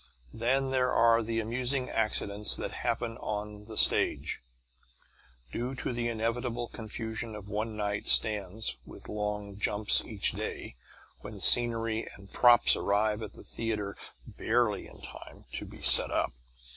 Then there are the amusing accidents that happen on the stage, due to the inevitable confusion of one night stands with long jumps each day, when scenery and props arrive at the theatre barely in time to be set up.